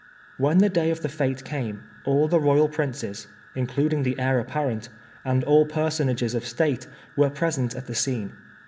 When the day of the fête came, all the Royal Princes, including the Heir apparent, and all personages of State, were present at the scene.